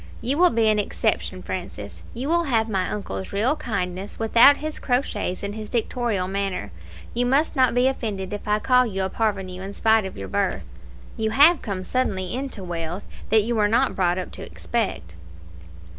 You will be an exception, Francis. You will have my uncle's real kindness without his crotchets and his dictatorial manner. You must not be offended if I call you a parvenu in spite of your birth. You have come suddenly into wealth that you were not brought up to expect."